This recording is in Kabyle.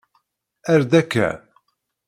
Err-d akka.